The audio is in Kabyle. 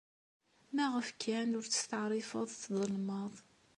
Maɣef kan ur testeɛṛifeḍ tḍelmeḍ?